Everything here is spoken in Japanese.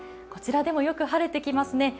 こちらでもよく晴れてきますね。